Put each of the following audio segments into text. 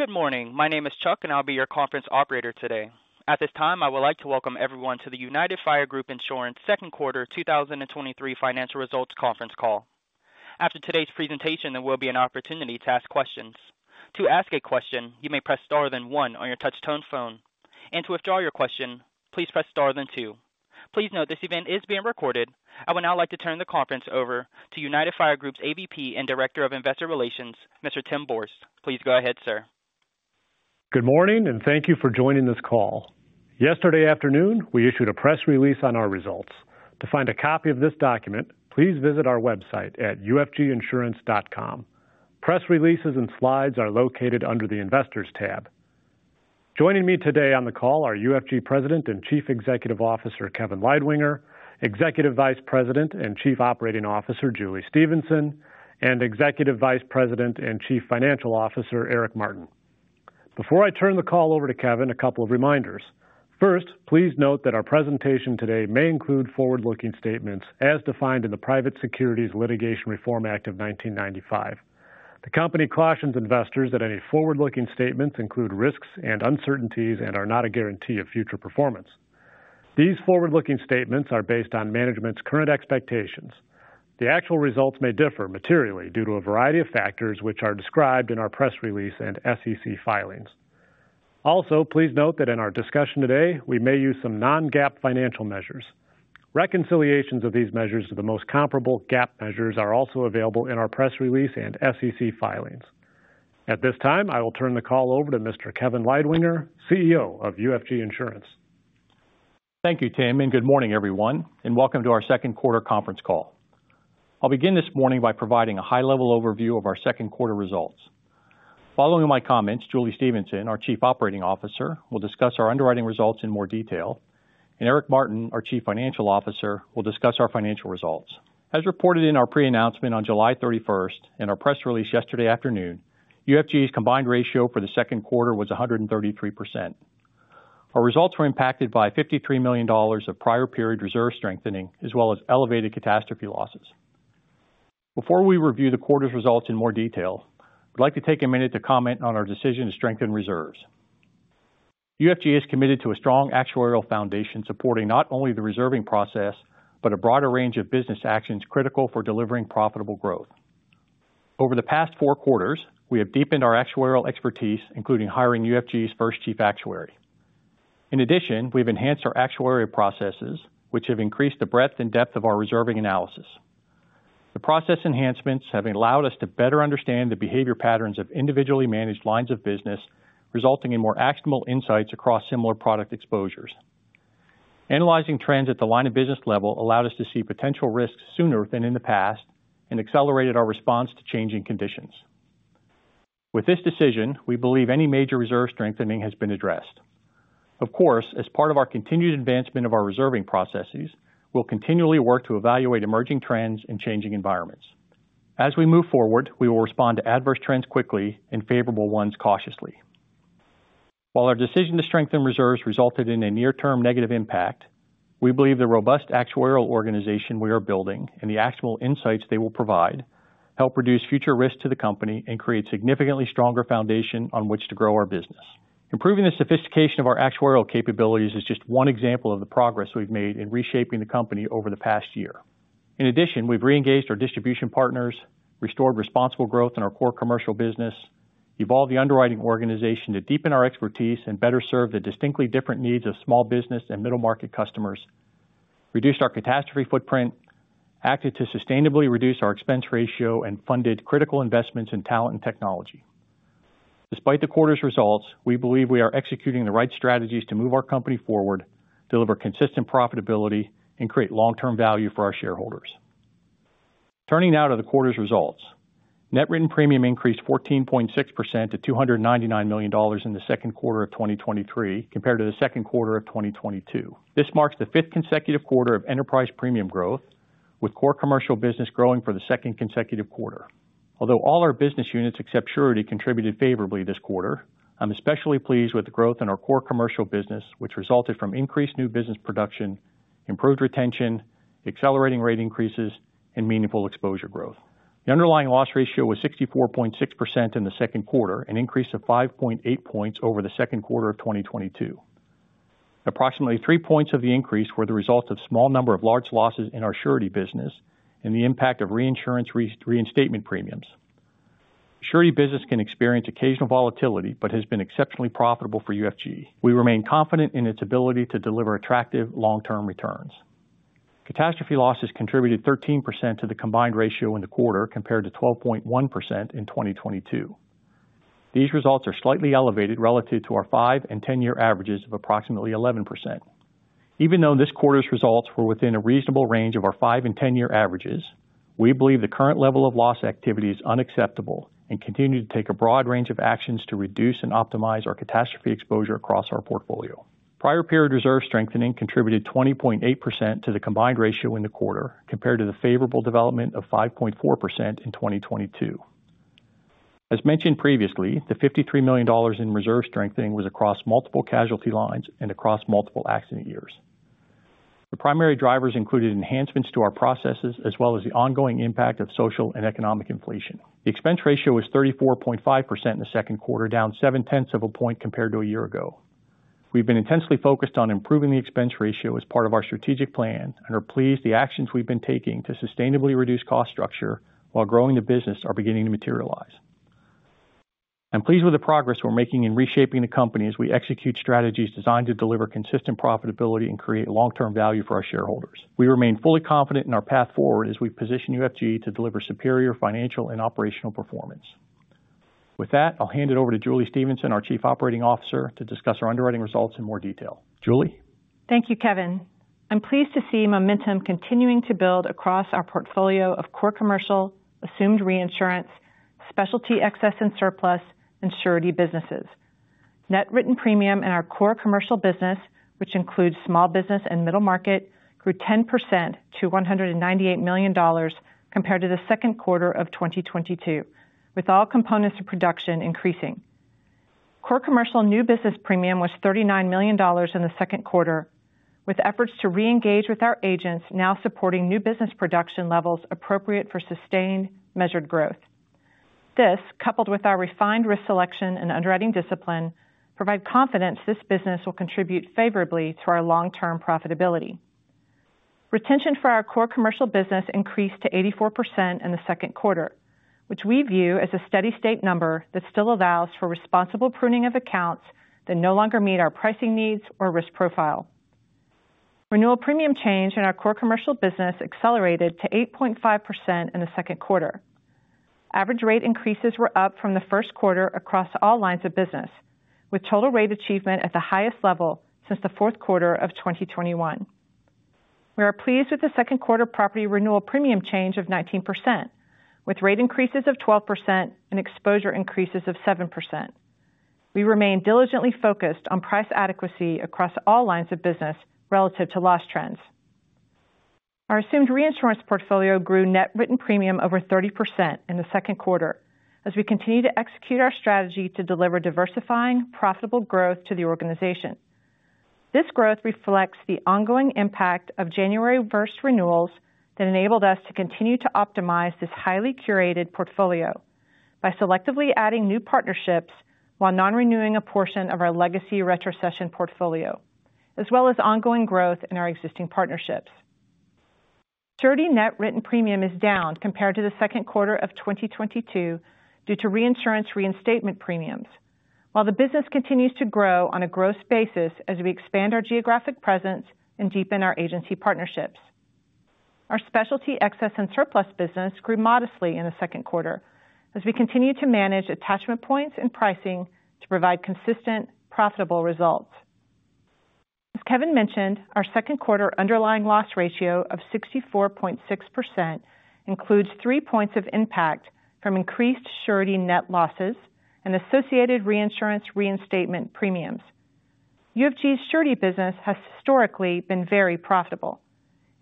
Good morning. My name is Chuck, and I'll be your conference operator today. At this time, I would like to welcome everyone to the United Fire Group second quarter, 2023 financial results conference call. After today's presentation, there will be an opportunity to ask questions. To ask a question, you may press Star, then one on your touchtone phone, and to withdraw your question, please press Star, then two. Please note this event is being recorded. I would now like to turn the conference over to United Fire Group's AVP and Director of Investor Relations, Mr. Tim Borst. Please go ahead, sir. Good morning. Thank you for joining this call. Yesterday afternoon, we issued a press release on our results. To find a copy of this document, please visit our website at ufginsurance.com. Press releases and slides are located under the Investors tab. Joining me today on the call are UFG President and Chief Executive Officer, Kevin Leidwinger, Executive Vice President and Chief Operating Officer, Julie Stephenson, and Executive Vice President and Chief Financial Officer, Eric Martin. Before I turn the call over to Kevin, a couple of reminders. First, please note that our presentation today may include forward-looking statements as defined in the Private Securities Litigation Reform Act of 1995. The company cautions investors that any forward-looking statements include risks and uncertainties and are not a guarantee of future performance. These forward-looking statements are based on management's current expectations. The actual results may differ materially due to a variety of factors, which are described in our press release and SEC filings. Also, please note that in our discussion today, we may use some non-GAAP financial measures. Reconciliations of these measures to the most comparable GAAP measures are also available in our press release and SEC filings. At this time, I will turn the call over to Mr. Kevin Leidwinger, CEO of UFG Insurance. Thank you, Tim. Good morning, everyone, and welcome to our second quarter conference call. I'll begin this morning by providing a high-level overview of our second quarter results. Following my comments, Julie Stephenson, our Chief Operating Officer, will discuss our underwriting results in more detail. Eric Martin, our Chief Financial Officer, will discuss our financial results. As reported in our pre-announcement on July 31st and our press release yesterday afternoon, UFG's combined ratio for the second quarter was 133%. Our results were impacted by $53 000000 of prior period reserve strengthening, as well as elevated catastrophe losses. Before we review the quarter's results in more detail, I'd like to take a minute to comment on our decision to strengthen reserves. UFG is committed to a strong actuarial foundation, supporting not only the reserving process, but a broader range of business actions critical for delivering profitable growth. Over the past four quarters, we have deepened our actuarial expertise, including hiring UFG's first chief actuary. In addition, we've enhanced our actuarial processes, which have increased the breadth and depth of our reserving analysis. The process enhancements have allowed us to better understand the behavior patterns of individually managed lines of business, resulting in more actionable insights across similar product exposures. Analyzing trends at the line of business level allowed us to see potential risks sooner than in the past and accelerated our response to changing conditions. With this decision, we believe any major reserve strengthening has been addressed. Of course, as part of our continued advancement of our reserving processes, we'll continually work to evaluate emerging trends and changing environments. As we move forward, we will respond to adverse trends quickly and favorable ones cautiously. While our decision to strengthen reserves resulted in a near-term negative impact, we believe the robust actuarial organization we are building and the actionable insights they will provide help reduce future risk to the company and create significantly stronger foundation on which to grow our business. Improving the sophistication of our actuarial capabilities is just one example of the progress we've made in reshaping the company over the past year. In addition, we've reengaged our distribution partners, restored responsible growth in our core commercial business, evolved the underwriting organization to deepen our expertise and better serve the distinctly different needs of small business and middle market customers, reduced our catastrophe footprint, acted to sustainably reduce our expense ratio, and funded critical investments in talent and technology. Despite the quarter's results, we believe we are executing the right strategies to move our company forward, deliver consistent profitability, and create long-term value for our shareholders. Turning now to the quarter's results. Net written premium increased 14.6% - $299 000000 in the second quarter of 2023 compared to the second quarter of 2022. This marks the 5th consecutive quarter of enterprise premium growth, with core commercial business growing for the 2nd consecutive quarter. Although all our business units except Surety contributed favorably this quarter, I'm especially pleased with the growth in our core commercial business, which resulted from increased new business production, improved retention, accelerating rate increases, and meaningful exposure growth. The underlying loss ratio was 64.6% in the second quarter, an increase of 5.8 points over the second quarter of 2022. Approximately 3 points of the increase were the result of small number of large losses in our Surety business and the impact of reinsurance reinstatement premiums. Surety business can experience occasional volatility but has been exceptionally profitable for UFG. We remain confident in its ability to deliver attractive long-term returns. Catastrophe losses contributed 13% to the combined ratio in the quarter, compared to 12.1% in 2022. These results are slightly elevated relative to our 5 and 10-year averages of approximately 11%. Even though this quarter's results were within a reasonable range of our 5 and 10-year averages, we believe the current level of loss activity is unacceptable and continue to take a broad range of actions to reduce and optimize our catastrophe exposure across our portfolio. Prior period reserve strengthening contributed 20.8% to the combined ratio in the quarter, compared to the favorable development of 5.4% in 2022. As mentioned previously, the $53 000000 in reserve strengthening was across multiple casualty lines and across multiple accident years. The primary drivers included enhancements to our processes, as well as the ongoing impact of social and economic inflation. The expense ratio is 34.5% in the second quarter, down 0.7 of a point compared to a year ago. We've been intensely focused on improving the expense ratio as part of our strategic plan, and are pleased the actions we've been taking to sustainably reduce cost structure while growing the business are beginning to materialize. I'm pleased with the progress we're making in reshaping the company as we execute strategies designed to deliver consistent profitability and create long-term value for our shareholders. We remain fully confident in our path forward as we position UFG to deliver superior financial and operational performance. With that, I'll hand it over to Julie Stephenson, our Chief Operating Officer, to discuss our underwriting results in more detail. Julie Thank youKevin. I'm pleased to see momentum continuing to build across our portfolio of core commercial, assumed reinsurance, specialty, excess and surplus, and Surety businesses net written premium in our core commercial business, which includes small business and middle market, grew 10% - $198 million compared to the second quarter of 2022, with all components of production increasing. Core commercial new business premium was $39 million in the second quarter, with efforts to reengage with our agents now supporting new business production levels appropriate for sustained, measured growth. This, coupled with our refined risk selection and underwriting discipline, provide confidence this business will contribute favorably to our long-term profitability. Retention for our core commercial business increased to 84% in the second quarter, which we view as a steady state number that still allows for responsible pruning of accounts that no longer meet our pricing needs or risk profile. Renewal premium change in our core commercial business accelerated to 8.5% in the second quarter. Average rate increases were up from the first quarter across all lines of business, with total rate achievement at the highest level since the fourth quarter of 2021. We are pleased with the second quarter property renewal premium change of 19%, with rate increases of 12% and exposure increases of 7%. We remain diligently focused on price adequacy across all lines of business relative to loss trends. Our assumed reinsurance portfolio grew net written premium over 30% in the second quarter as we continue to execute our strategy to deliver diversifying, profitable growth to the organization. This growth reflects the ongoing impact of January 1st renewals that enabled us to continue to optimize this highly curated portfolio by selectively adding new partnerships, while non-renewing a portion of our legacy retrocession portfolio, as well as ongoing growth in our existing partnerships. Surety net written premium is down compared to the second quarter of 2022 due to reinsurance reinstatement premiums. While the business continues to grow on a gross basis as we expand our geographic presence and deepen our agency partnerships. Our specialty, excess and surplus business grew modestly in the second quarter as we continue to manage attachment points and pricing to provide consistent, profitable results. As Kevin mentioned, our second quarter underlying loss ratio of 64.6% includes 3 points of impact from increased Surety net losses and associated reinsurance reinstatement premiums. UFG's Surety business has historically been very profitable.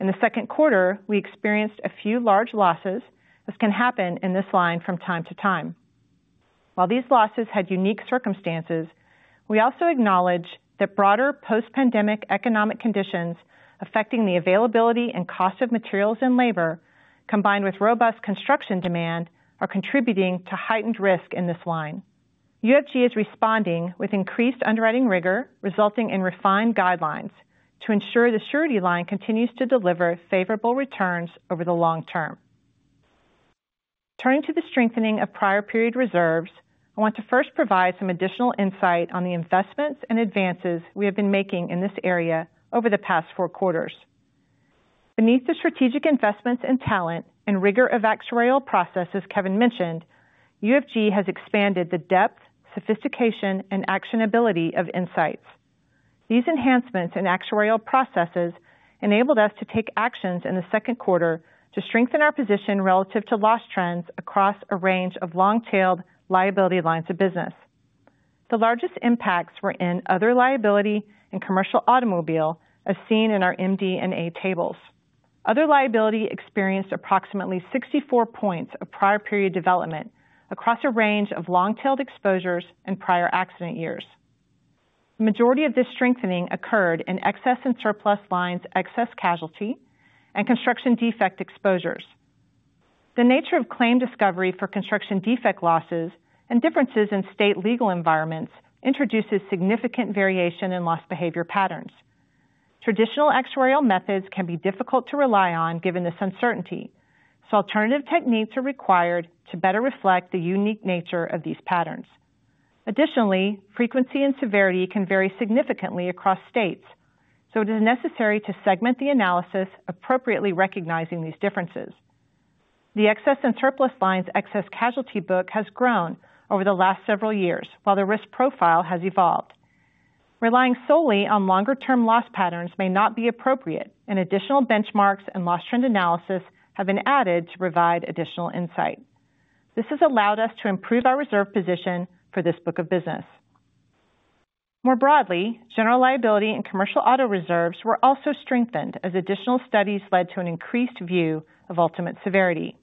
In the second quarter, we experienced a few large losses, as can happen in this line from time to time. While these losses had unique circumstances, we also acknowledge that broader post-pandemic economic conditions affecting the availability and cost of materials and labor, combined with robust construction demand, are contributing to heightened risk in this line. UFG is responding with increased underwriting rigor, resulting in refined guidelines to ensure the Surety line continues to deliver favorable returns over the long term. Turning to the strengthening of prior period reserves, I want to first provide some additional insight on the investments and advances we have been making in this area over the past four quarters. Beneath the strategic investments and talent and rigor of actuarial processes Kevin mentioned, UFG has expanded the depth, sophistication, and actionability of insights. These enhancements in actuarial processes enabled us to take actions in the second quarter to strengthen our position relative to loss trends across a range of long-tailed liability lines of business. The largest impacts were in other liability and commercial automobile, as seen in our MD&A tables. Other liability experienced approximately 64 points of prior period development across a range of long-tailed exposures and prior accident years. The majority of this strengthening occurred in excess and surplus lines, excess casualty and construction defect exposures. The nature of claim discovery for construction defect losses and differences in state legal environments introduces significant variation in loss behavior patterns. Traditional actuarial methods can be difficult to rely on given this uncertainty, so alternative techniques are required to better reflect the unique nature of these patterns. Additionally, frequency and severity can vary significantly across states, so it is necessary to segment the analysis appropriately recognizing these differences. The excess and surplus lines, excess casualty book has grown over the last several years, while the risk profile has evolved. Relying solely on longer term loss patterns may not be appropriate, and additional benchmarks and loss trend analysis have been added to provide additional insight. This has allowed us to improve our reserve position for this book of business. More broadly, general liability and commercial auto reserves were also strengthened as additional studies led to an increased view of ultimate severity.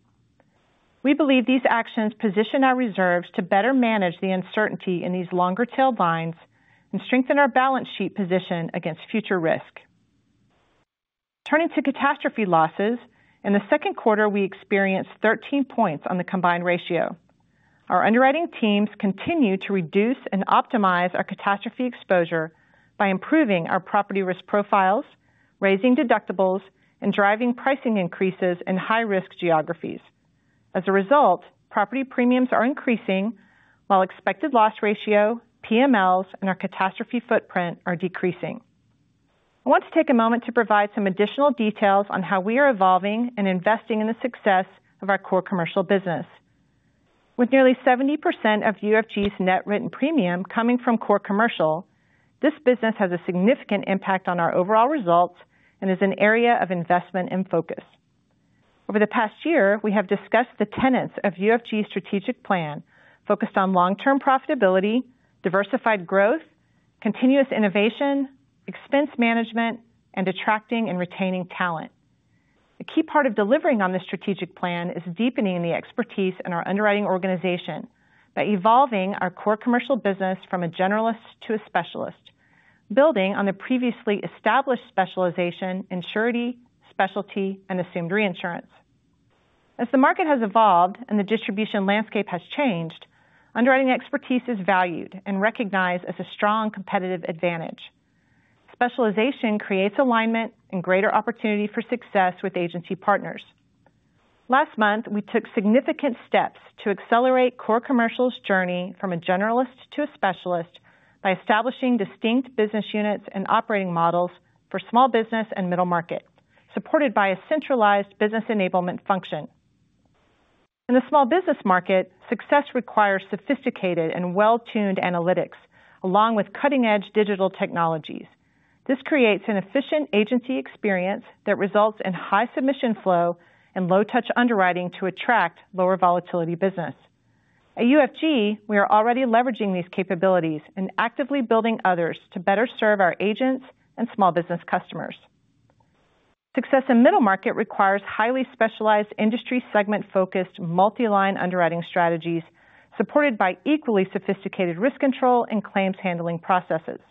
We believe these actions position our reserves to better manage the uncertainty in these longer-tail lines and strengthen our balance sheet position against future risk. Turning to catastrophe losses, in the second quarter, we experienced 13 points on the combined ratio. Our underwriting teams continue to reduce and optimize our catastrophe exposure by improving our property risk profiles, raising deductibles, and driving pricing increases in high-risk geographies. As a result, property premiums are increasing, while expected loss ratio, PMLs, and our catastrophe footprint are decreasing. I want to take a moment to provide some additional details on how we are evolving and investing in the success of our core commercial business. With nearly 70% of UFG's net written premium coming from core commercial, this business has a significant impact on our overall results and is an area of investment and focus. Over the past year, we have discussed the tenets of UFG's strategic plan, focused on long-term profitability, diversified growth, continuous innovation, expense management, and attracting and retaining talent. A key part of delivering on this strategic plan is deepening the expertise in our underwriting organization by evolving our core commercial business from a generalist to a specialist, building on the previously established specialization in surety, specialty, and assumed reinsurance. As the market has evolved and the distribution landscape has changed, underwriting expertise is valued and recognized as a strong competitive advantage. Specialization creates alignment and greater opportunity for success with agency partners. Last month, we took significant steps to accelerate core commercial's journey from a generalist to a specialist by establishing distinct business units and operating models for small business and middle market, supported by a centralized business enablement function. In the small business market, success requires sophisticated and well-tuned analytics, along with cutting-edge digital technologies. This creates an efficient agency experience that results in high submission flow and low-touch underwriting to attract lower volatility business. At UFG, we are already leveraging these capabilities and actively building others to better serve our agents and small business customers. Success in middle market requires highly specialized, industry segment-focused, multi-line underwriting strategies, supported by equally sophisticated risk control and claims handling processes.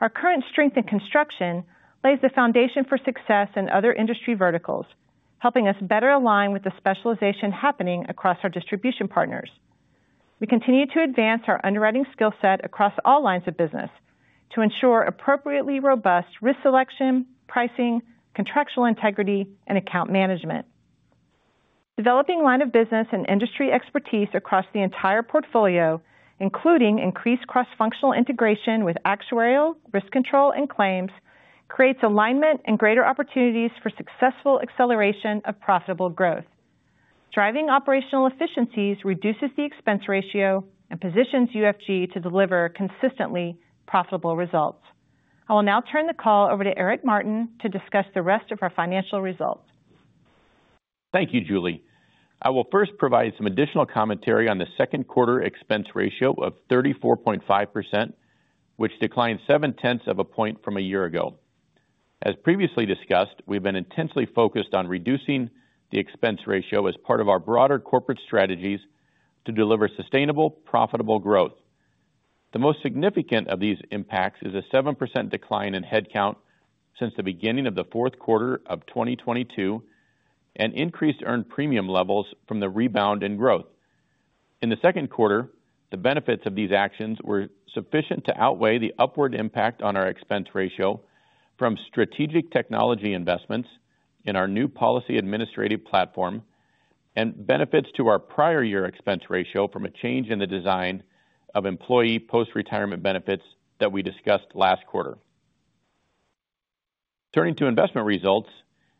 Our current strength in construction lays the foundation for success in other industry verticals, helping us better align with the specialization happening across our distribution partners. We continue to advance our underwriting skill set across all lines of business to ensure appropriately robust risk selection, pricing, contractual integrity, and account management. Developing line of business and industry expertise across the entire portfolio, including increased cross-functional integration with actuarial, risk control, and claims, creates alignment and greater opportunities for successful acceleration of profitable growth. Driving operational efficiencies reduces the expense ratio and positions UFG to deliver consistently profitable results. I will now turn the call over to Eric Martin to discuss the rest of our financial results. Thank you, Julie. I will first provide some additional commentary on the second quarter expense ratio of 34.5%, which declined 0.7 of a point from a year ago. As previously discussed, we've been intensely focused on reducing the expense ratio as part of our broader corporate strategies to deliver sustainable, profitable growth. The most significant of these impacts is a 7% decline in headcount since the beginning of the fourth quarter of 2022, and increased earned premium levels from the rebound in growth. In the second quarter, the benefits of these actions were sufficient to outweigh the upward impact on our expense ratio from strategic technology investments in our new policy administration platform, and benefits to our prior year expense ratio from a change in the design of employee post-retirement benefits that we discussed last quarter. Turning to investment results,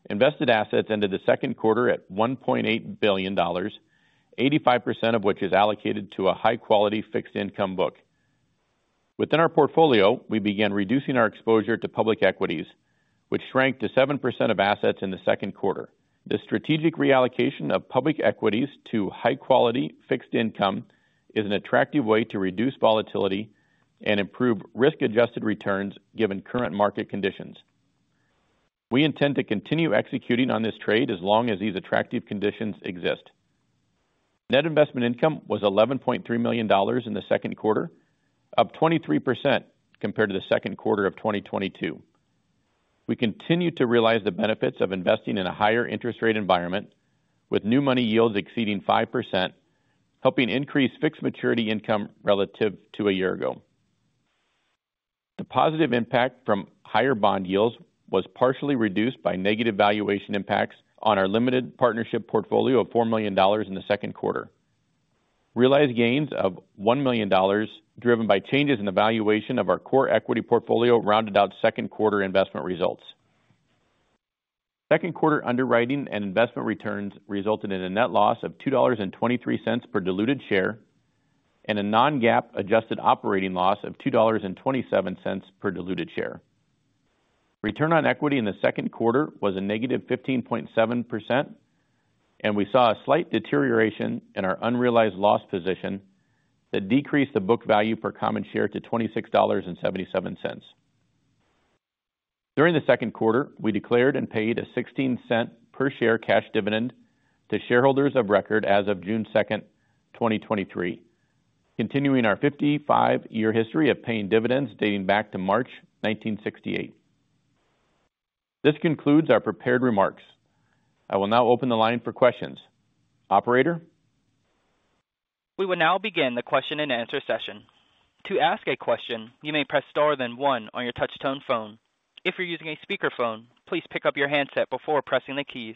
invested assets ended the second quarter at $1.8 billion, 85% of which is allocated to a high-quality fixed income book. Within our portfolio, we began reducing our exposure to public equities, which shrank to 7% of assets in the second quarter. The strategic reallocation of public equities to high-quality fixed income is an attractive way to reduce volatility and improve risk-adjusted returns, given current market conditions. We intend to continue executing on this trade as long as these attractive conditions exist. Net investment income was $11.3 million in the second quarter, up 23% compared to the second quarter of 2022. We continue to realize the benefits of investing in a higher interest rate environment, with new money yields exceeding 5%, helping increase fixed maturity income relative to a year ago. The positive impact from higher bond yields was partially reduced by negative valuation impacts on our limited partnership portfolio of $4 million in the second quarter. Realized gains of $1 million, driven by changes in the valuation of our core equity portfolio, rounded out second quarter investment results. Second quarter underwriting and investment returns resulted in a net loss of $2.23 per diluted share, and a non-GAAP adjusted operating loss of $2.27 per diluted share. Return on equity in the second quarter was a negative 15.7%, and we saw a slight deterioration in our unrealized loss position that decreased the book value per common share to $26.77.During the second quarter, we declared and paid a $0.16 per share cash dividend to shareholders of record as of June 2, 2023, continuing our 55-year history of paying dividends dating back to March 1968. This concludes our prepared remarks. I will now open the line for questions. Operator? We will now begin the question-and-answer session. To ask a question, you may press star then one on your touch-tone phone. If you're using a speakerphone, please pick up your handset before pressing the keys.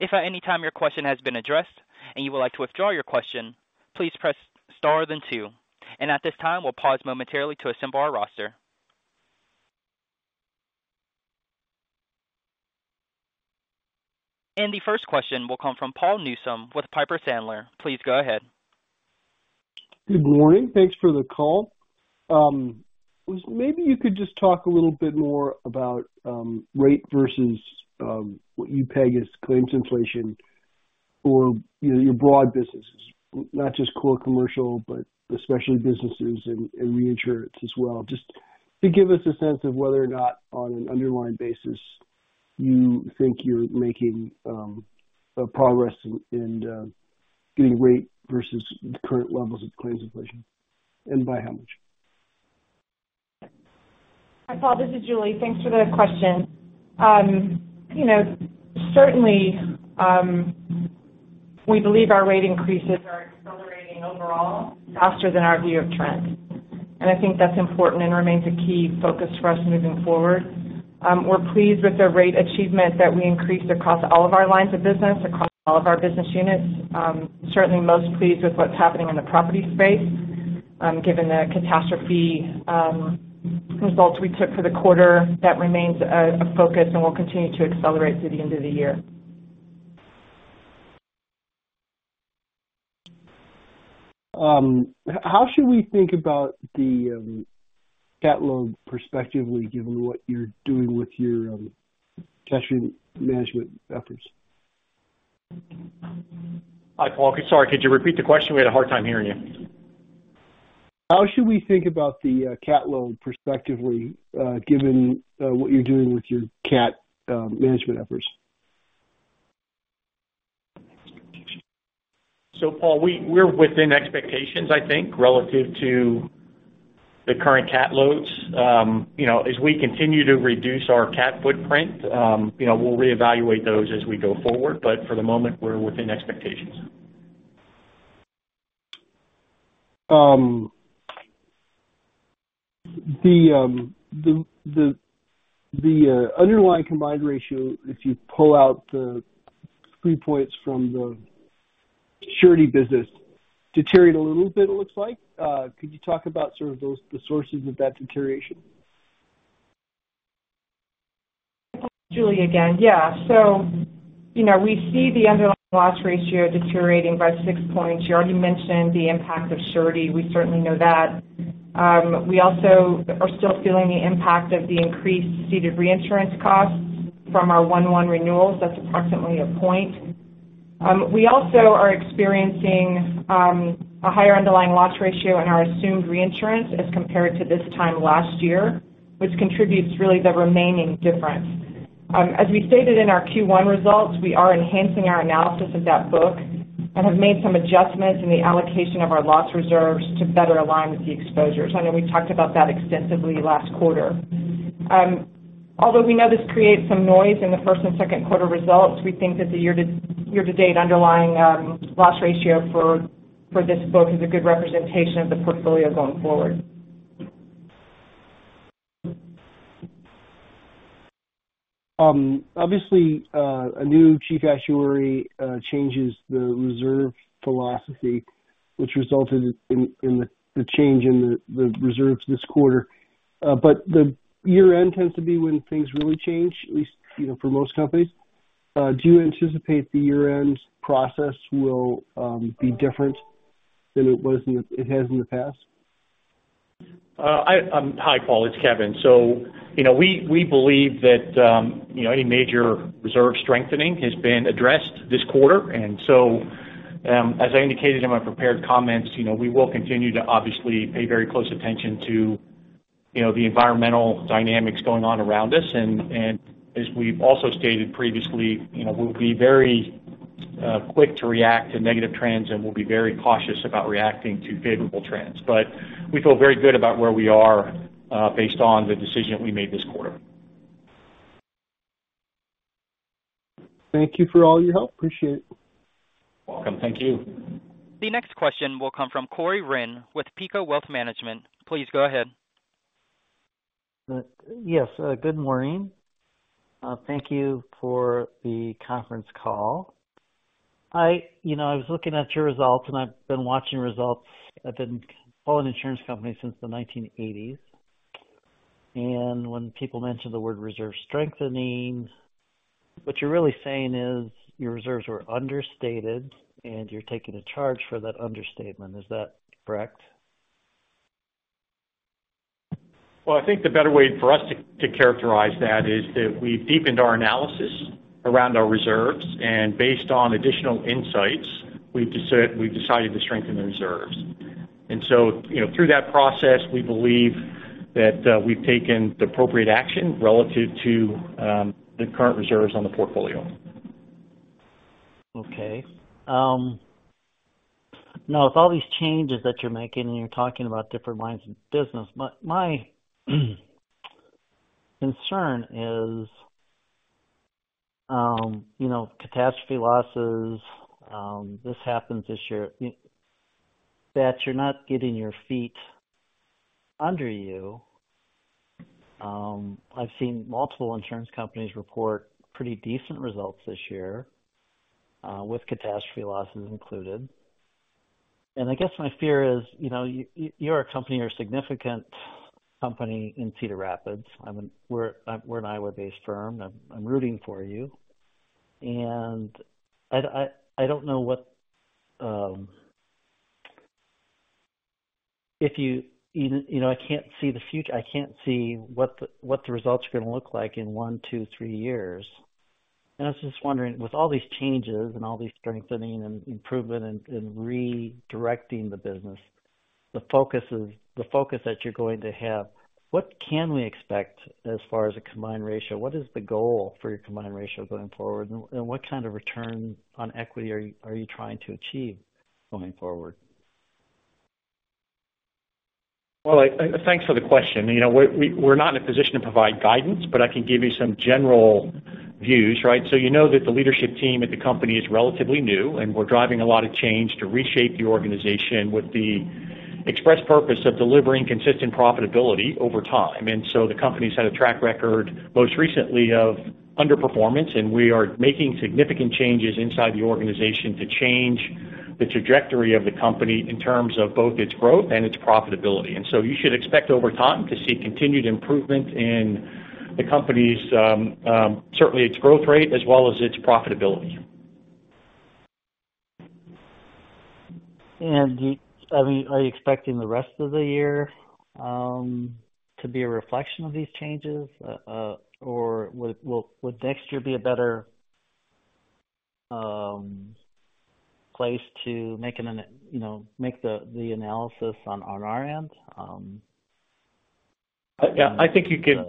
If at any time your question has been addressed and you would like to withdraw your question, please press star then two. At this time, we'll pause momentarily to assemble our roster. The first question will come from Paul Newsome with Piper Sandler. Please go ahead. Good morning. Thanks for the call. Maybe you could just talk a little bit more about rate versus what you peg as claims inflation for, you know, your broad businesses, not just core commercial, but the specialty businesses and reinsurance as well. Just to give us a sense of whether or not, on an underlying basis, you think you're making progress in getting rate versus the current levels of claims inflation, and by how much? Hi, Paul, this is Julie. Thanks for the question. You know, certainly, we believe our rate increases are accelerating overall faster than our view of trends, and I think that's important and remains a key focus for us moving forward. We're pleased with the rate achievement that we increased across all of our lines of business, across all of our business units. Certainly most pleased with what's happening in the property space, given the catastrophe results we took for the quarter. That remains a focus, and we'll continue to accelerate through the end of the year. How should we think about the cat load perspectively, given what you're doing with your cash management efforts? Hi, Paul. Sorry, could you repeat the question? We had a hard time hearing you. How should we think about the cat load perspectively, given what you're doing with your cat management efforts? Paul, we're within expectations, I think, relative to the current cat loads. You know, as we continue to reduce our cat footprint, you know, we'll reevaluate those as we go forward, but for the moment, we're within expectations. The underlying combined ratio, if you pull out the three points from the Surety business, deteriorated a little bit, it looks like. Could you talk about sort of those, the sources of that deterioration? Julie again. Yeah. You know, we see the underlying loss ratio deteriorating by 6 points. You already mentioned the impact of Surety. We certainly know that. We also are still feeling the impact of the increased ceded reinsurance costs from our 1/1 renewals. That's approximately 1 point. We also are experiencing a higher underlying loss ratio in our assumed reinsurance as compared to this time last year, which contributes really the remaining difference. As we stated in our Q1 results, we are enhancing our analysis of that book and have made some adjustments in the allocation of our loss reserves to better align with the exposures. I know we talked about that extensively last quarter. Although we know this creates some noise in the first and second quarter results, we think that the year-to-date underlying loss ratio for this book is a good representation of the portfolio going forward. Obviously, a new chief actuary, changes the reserve philosophy, which resulted in, in the, the change in the, the reserves this quarter. The year end tends to be when things really change, at least, you know, for most companies. Do you anticipate the year end's process will, be different than it was it has in the past? Hi, Paul, it's Kevin. You know we believe that, you know, any major reserve strengthening has been addressed this quarter. As I indicated in my prepared comments, you know, we will continue to obviously pay very close attention to, you know, the environmental dynamics going on around us. As we've also stated previously, you know, we'll be very quick to react to negative trends, and we'll be very cautious about reacting to favorable trends. We feel very good about where we are, based on the decision we made this quarter. Thank you for all your help. Appreciate it. Welcome. The next question will come from Corey Rinn with PICO Wealth Management. Please go ahead. Yes, good morning. Thank you for the conference call. I, you know, I was looking at your results, and I've been watching results at an insurance company since the 1980s. When people mention the word reserve strengthening, what you're really saying is your reserves were understated, and you're taking a charge for that understatement. Is that correct? Well, I think the better way for us to, to characterize that is that we've deepened our analysis around our reserves, and based on additional insights, we've we've decided to strengthen the reserves. you know, through that process, we believe that, we've taken the appropriate action relative to, the current reserves on the portfolio. Okay. Now, with all these changes that you're making, and you're talking about different lines of business, my, my concern is, you know, catastrophe losses, this happens this year, you that you're not getting your feet under you. I've seen multiple insurance companies report pretty decent results this year, with catastrophe losses included. I guess my fear is, you know, you're a company, you're a significant company in Cedar Rapids. I'm we're, we're an Iowa-based firm. I'm, I'm rooting for you. I'd, I, I don't know what, if you, you know, I can't see the future. I can't see what the, what the results are gonna look like in one, two, three years. I was just wondering, with all these changes and all these strengthening and improvement and, and redirecting the business, the focus that you're going to have, what can we expect as far as a combined ratio? What is the goal for your combined ratio going forward? What kind of return on equity are you, are you trying to achieve going forward? Well, I, thanks for the question. You know, we're, we, we're not in a position to provide guidance, but I can give you some general views, right? You know that the leadership team at the company is relatively new, and we're driving a lot of change to reshape the organization with the express purpose of delivering consistent profitability over time. The company's had a track record, most recently, of underperformance, and we are making significant changes inside the organization to change the trajectory of the company in terms of both its growth and its profitability. You should expect over time to see continued improvement in the company's, certainly its growth rate, as well as its profitability. Are you expecting the rest of the year to be a reflection of these changes? Or would next year be a better place to make, you know, make the analysis on our end? I think you can.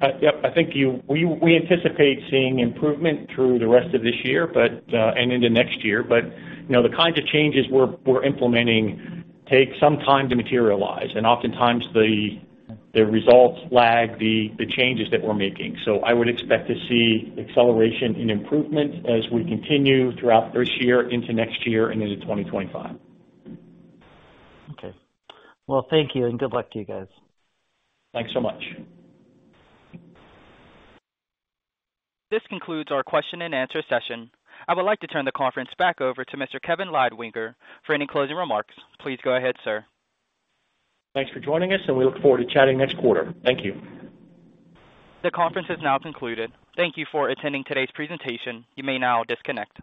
I think we anticipate seeing improvement through the rest of this year and into next year. You know, the kinds of changes we're implementing take some time to materialize, and oftentimes the results lag the changes that we're making. I would expect to see acceleration and improvement as we continue throughout this year into next year and into 2025. Okay. Well, thank you, and good luck to you guys. Thanks so much. This concludes our question and answer session. I would like to turn the conference back over to Mr. Kevin Leidwinger for any closing remarks. Please go ahead, sir. Thanks for joining us, and we look forward to chatting next quarter. Thank you. The conference is now concluded. Thank you for attending today's presentation. You may now disconnect.